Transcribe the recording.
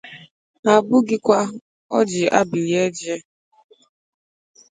Ha abụghị kwa oji abalị eje